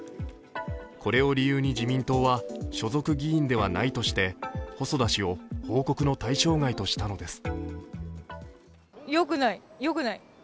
これを理由に自民党は所属議員ではないとして細田氏を報告の対象外としたのです。